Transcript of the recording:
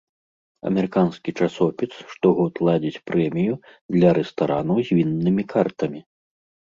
Амерыканскі часопіс штогод ладзіць прэмію для рэстаранаў з віннымі картамі.